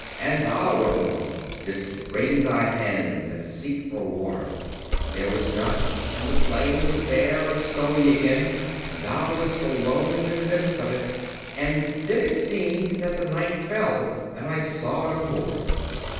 And thou, Romola, didst wring thy hands and seek for water, and there was none... and the plain was bare and stony again, and thou wast alone in the midst of it. And then it seemed that the night fell, and I saw no more."